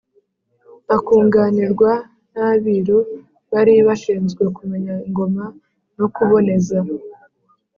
akunganirwa n'abiru bari bashinzwe kumenya ingoma no kuboneza